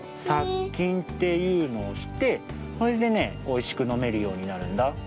さっきんっていうのをしてそれでねおいしくのめるようになるんだ。